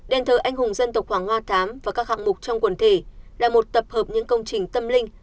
đền thờ anh hùng dân tộc hoàng hoa thám và các hạng mục trong quần thể là một tập hợp những công trình tâm linh